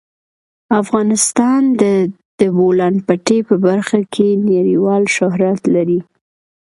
افغانستان د د بولان پټي په برخه کې نړیوال شهرت لري.